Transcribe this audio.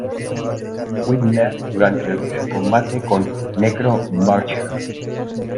Whitmer durante su combate con Necro Butcher.